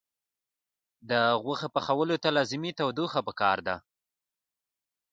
د غوښې پخولو ته لازمي تودوخه پکار ده.